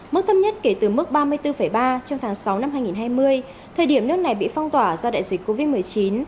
mức thấp nhất kể từ mức ba mươi bốn ba trong tháng sáu năm hai nghìn hai mươi thời điểm nước này bị phong tỏa do đại dịch covid một mươi chín